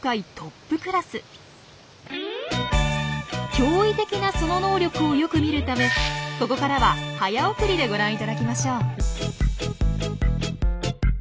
驚異的なその能力をよく見るためここからは早送りでご覧いただきましょう。